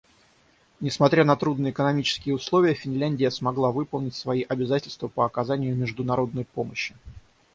Несмотря на трудные экономические условия, Финляндия смогла выполнить свои обязательства по оказанию международной помощи.